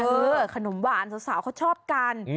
ขนมหวานสาวเขาชอบกัน